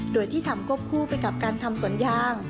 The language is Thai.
โดยที่ทำควบคู่ไปกับการทำสวนยาง